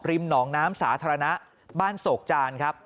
หนองน้ำสาธารณะบ้านโศกจานครับ